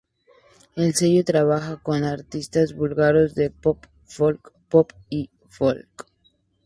El sello trabaja con artistas búlgaros de pop-folk, pop y folk.